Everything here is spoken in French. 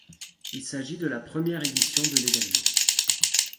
Il s'agit de la première édition de l'évènement.